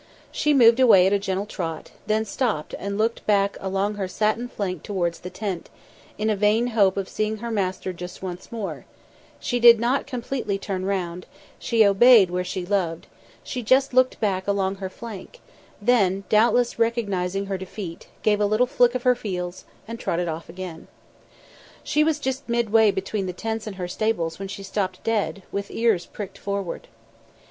She moved away at a gentle trot, then stopped and looked back along her satin flank towards the tent, in a vain hope of seeing her master just once more; she did not turn completely round, she obeyed where she loved she just looked back along her flank; then, doubtless recognising her defeat, gave a little flick of her heels and trotted off again. She was just midway between the tents and her stables when she stopped dead, with ears pricked forward.